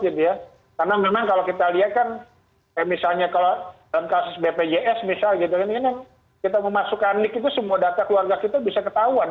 karena memang kalau kita lihat kan misalnya dalam kasus bpjs kita memasukkan link itu semua data keluarga kita bisa ketahuan